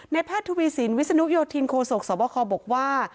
ในแพทย์ทุบีสินวิศนุพยอทินโครโศกสวบคบอกว่า